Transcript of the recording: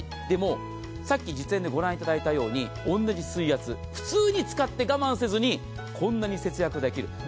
でも、さっき実演でご覧いただいたように同じ水圧、普通に使って我慢せずに、こんなに節約できる。